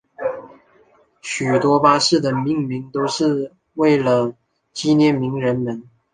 许多巴士的命名都是为了纪念名人们。